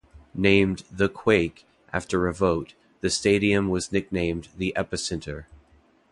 Named "The Quake" after a vote, the stadium was nicknamed the "Epicenter".